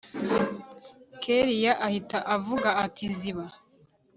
kellia ahita avuga ati ziba